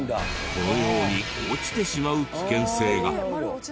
このように落ちてしまう危険性が。